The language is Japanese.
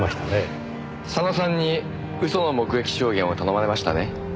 佐野さんに嘘の目撃証言を頼まれましたね？